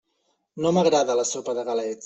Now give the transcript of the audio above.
No m'agrada la sopa de galets.